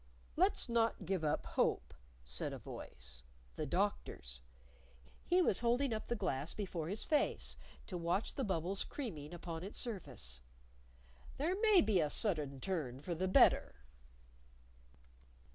"Let's not give up hope," said a voice the Doctor's. He was holding up the glass before his face to watch the bubbles creaming upon its surface. "There may be a sudden turn for the better."